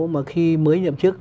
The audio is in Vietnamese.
mà khi mới nhậm chức